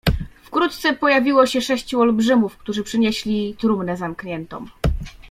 "Wkrótce pojawiło się sześciu olbrzymów, którzy przynieśli trumnę zamkniętą."